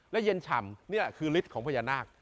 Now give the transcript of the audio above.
และเย็นฉ่ำนี่คือฤทธิ์ของพญานาค